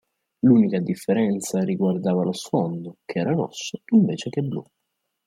L'unica differenza riguardava lo sfondo, che era rosso invece che blu.